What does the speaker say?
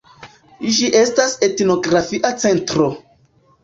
Ĝi estas etnografia centro.